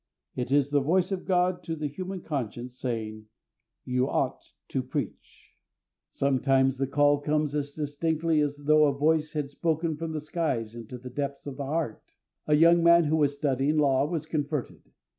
It is the voice of God to the human conscience, saying, 'You ought to preach.'" Sometimes the call comes as distinctly as though a voice had spoken from the skies into the depths of the heart. A young man who was studying law was converted.